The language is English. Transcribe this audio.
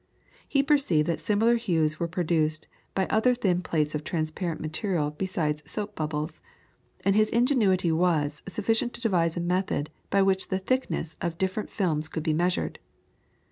He perceived that similar hues were produced by other thin plates of transparent material besides soap bubbles, and his ingenuity was sufficient to devise a method by which the thicknesses of the different films could be measured.